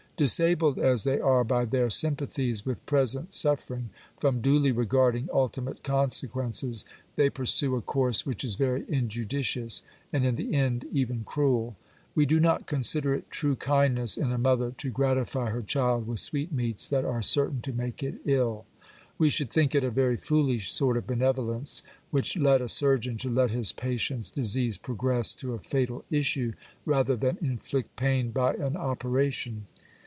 Disabled as they are by their sympathies with present suffer ing, from duly regarding ultimate consequences, they pursue a course which is very injudicious, and in the end even cruel. We do not consider it true kindness in a mother to gratify her child with sweetmeats that are certain to make it ill. We should think it a very foolish sort of benevolence which led a surgeon to let his patient's disease progress to a fatal issue, rather than inflict pain by an operation.